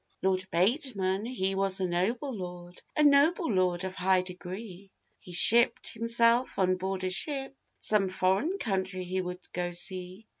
] LORD BATEMAN he was a noble lord, A noble lord of high degree; He shipped himself on board a ship, Some foreign country he would go see.